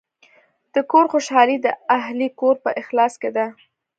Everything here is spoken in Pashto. د کور خوشحالي د اهلِ کور په اخلاص کې ده.